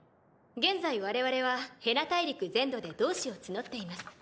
現在我々はヘナ大陸全土で同志を募っています。